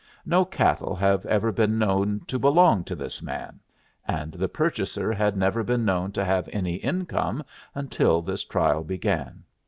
No cattle have ever been known to belong to this man, and the purchaser had never been known to have any income until this trial began.